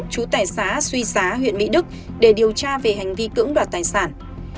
chú tài xá suy xá huyện mỹ đức để điều tra về hành vi cưỡng đoạt tài sản